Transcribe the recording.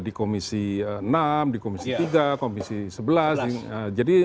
di komisi enam di komisi tiga komisi sebelas jadi